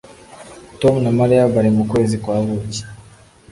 Tom na Mariya bari mukwezi kwa buki